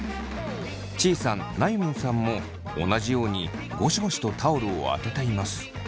ちーさんなゆみんさんも同じようにゴシゴシとタオルを当てています。